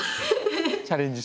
チャレンジ